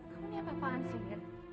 kamu ini apa apaan sih